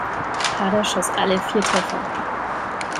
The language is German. Harder schoss alle vier Treffer.